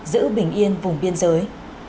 giữ bình yên vùng biên giới